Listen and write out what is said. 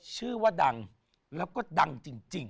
ชื่อว่าดังแล้วก็ดังจริง